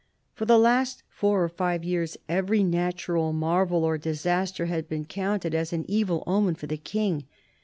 For the last four or five years, every natural marvel or disaster had been counted as an evil omen for the King.